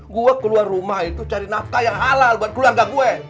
gue keluar rumah itu cari nafkah yang halal buat keluarga gue